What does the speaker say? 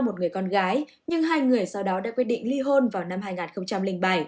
một người con gái nhưng hai người sau đó đã quyết định ly hôn vào năm hai nghìn bảy